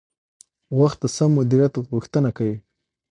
وخت د سم مدیریت غوښتنه کوي